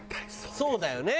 そうだよね。